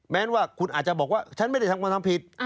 แม้ว่าคุณอาจจะบอกว่าฉันไม่ได้ทำกระทำผิด